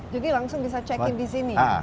jadi langsung bisa check in di sini